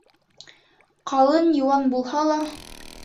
Ҡалын-йыуан булһа ла